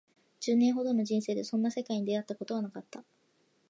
十年ほどの人生でそんな世界に出会ったことはなかった